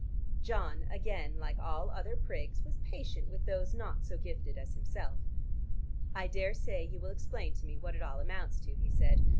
John, again like all other prigs, was patient with those not so gifted as himself. "I daresay you will explain to me what it all amounts to," he said.